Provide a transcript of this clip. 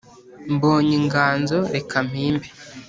Mbonye inganzo reka mpimbe